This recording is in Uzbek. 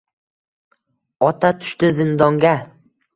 Ota tushdi zindonga.